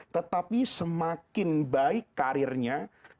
tetapi semakin baik karirnya